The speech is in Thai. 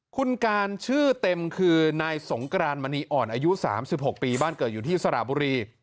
คุณการชื่อเต็มคือนายสงกรานมณีอ่อนอายุ๓๖ปีบ้านเกิดอยู่ที่สระบุรี